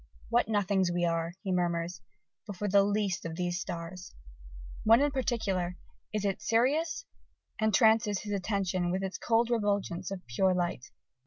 "What nothings we are," he murmurs, "before the least of these stars!" One in particular is it Sirius? entrances his attention with its cold refulgence of pure light.